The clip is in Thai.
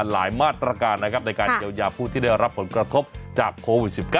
หลายมาตรการนะครับในการเยียวยาผู้ที่ได้รับผลกระทบจากโควิด๑๙